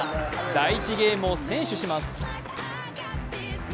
第１ゲームを先取します。